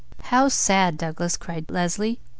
"How sad, Douglas!" cried Leslie.